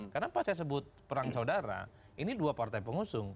karena pas saya sebut perang saudara ini dua partai pengusung